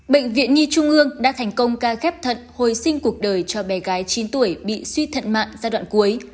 bệnh viện nhi trung ương đã thành công ca ghép thận hồi sinh cuộc đời cho bé gái chín tuổi bị suy thận mạng giai đoạn cuối